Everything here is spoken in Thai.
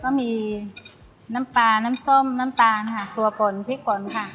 ก็มีน้ำปลาน้ำส้มน้ำตาลซัวปลต์พริกปลดค่ะ